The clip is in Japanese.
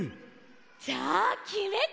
じゃあきめた！